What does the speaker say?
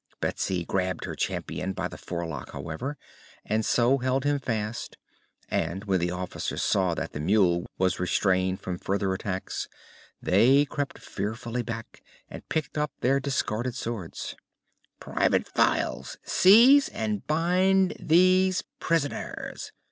Betsy grabbed her champion by the forelock, however, and so held him fast, and when the officers saw that the mule was restrained from further attacks they crept fearfully back and picked up their discarded swords. "Private Files, seize and bind these prisoners!"